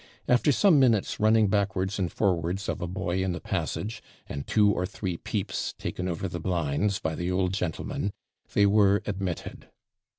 After some minutes' running backwards and forwards of a boy in the passage, and two or three peeps taken over the blinds by the old gentleman, they were admitted.